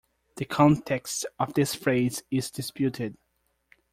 The context of this phrase is disputed.